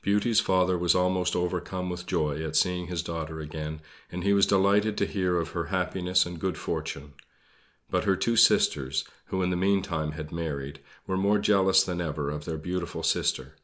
Beauty's father was almost overcome with joy at seeing his daughter again, and he was delighted to hear of her happiness and good fortune. But her two sisters who in the meantime had married were more jealous than ever of their beautiful sister.